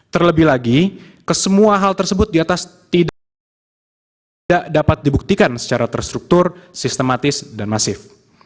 terlebih lagi kesemua hal tersebut di atas tidak dapat dibuktikan secara terstruktur sistematis dan masif